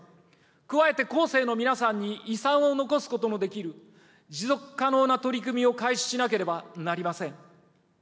加えて後世の皆さんに遺産を残すことのできる、持続可能な取り組みを開始しなければなりません。